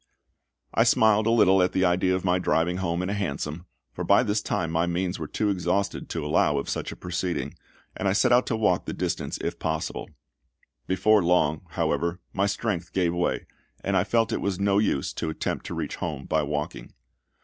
I smiled a little at the idea of my driving home in a hansom, for by this time my means were too exhausted to allow of such a proceeding, and I set out to walk the distance if possible. Before long, however, my strength gave way, and I felt it was no use to attempt to reach home by walking.